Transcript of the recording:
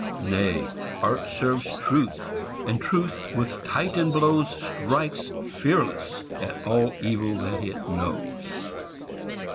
Nay, Art serves Truth, and Truth with Titan blows, Strikes fearless at all evil that it knows.